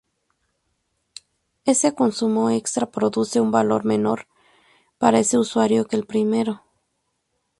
Ese consumo extra produce un valor menor para ese usuario que el primero.